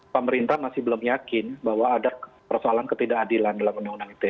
pemerintah masih belum yakin bahwa ada persoalan ketidakadilan dalam undang undang ite